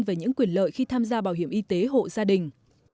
về những quyền lợi khi tham gia bảo hiểm y tế hộ gia đình